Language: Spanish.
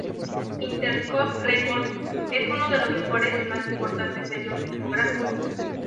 Interscope Records es uno de los mejores y más importantes sellos discográficos.